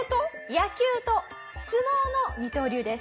野球と相撲の二刀流です。